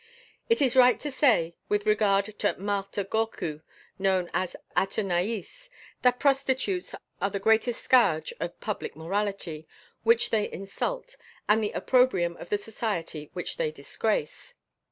"It is right to say, with regard to Marthe Gorcut, known as Athenaïs, that prostitutes are the greatest scourge of public morality, which they insult, and the opprobrium of the society which they disgrace.